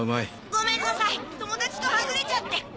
ごめんなさい友達とはぐれちゃって。